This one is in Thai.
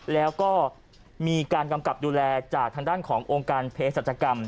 แล้วก็มีการกำกับดูแลจากทางด้านขององค์การเพศสัจกรรม